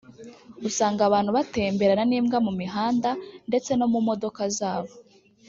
usanga abantu batemberana n’imbwa mu mihanda ndetse no mu modoka zabo